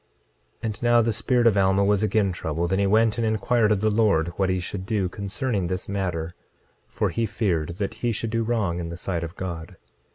26:13 And now the spirit of Alma was again troubled; and he went and inquired of the Lord what he should do concerning this matter, for he feared that he should do wrong in the sight of God.